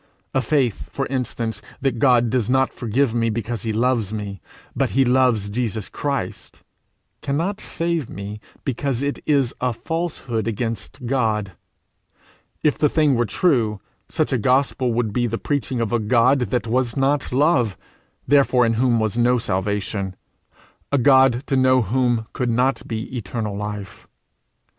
A faith, for instance, that God does not forgive me because he loves me, but because he loves Jesus Christ, cannot save me, because it is a falsehood against God: if the thing were true, such a gospel would be the preaching of a God that was not love, therefore in whom was no salvation, a God to know whom could not be eternal life.